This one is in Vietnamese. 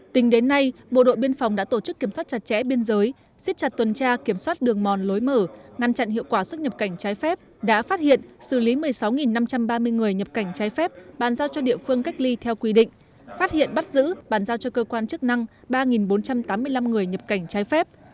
tính đến nay bộ đội biên phòng đã tổ chức kiểm soát chặt chẽ biên giới xích chặt tuần tra kiểm soát đường mòn lối mở ngăn chặn hiệu quả xuất nhập cảnh trái phép đã phát hiện xử lý một mươi sáu năm trăm ba mươi người nhập cảnh trái phép bàn giao cho địa phương cách ly theo quy định phát hiện bắt giữ bàn giao cho cơ quan chức năng ba bốn trăm tám mươi năm người nhập cảnh trái phép